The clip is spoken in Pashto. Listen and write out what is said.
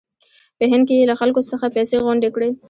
په هند کې یې له خلکو څخه پیسې غونډې کړې.